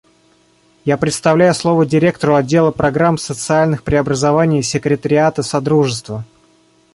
Я предоставляю слово Директору Отдела программ социальных преобразований Секретариата Содружества.